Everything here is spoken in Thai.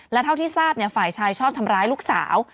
และเท่าที่ทราบฝ่ายชายชอบทำร้ายลูกสาว